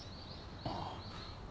ああ。